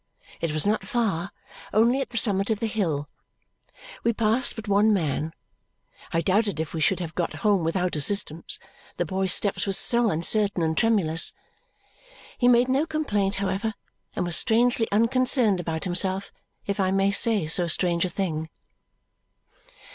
It was not far, only at the summit of the hill. We passed but one man. I doubted if we should have got home without assistance, the boy's steps were so uncertain and tremulous. He made no complaint, however, and was strangely unconcerned about himself, if I may say so strange a thing.